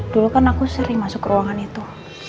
dulu kan aku sering masuk ke ruangan itu